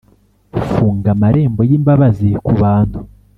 funga amarembo y'imbabazi ku bantu,